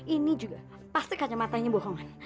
ini juga pasti kacamatanya bohongan